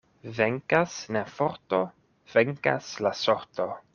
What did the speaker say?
Venkas ne forto, venkas la sorto.